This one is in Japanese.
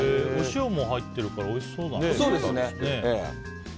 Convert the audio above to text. お塩も入ってるからおいしそうだね。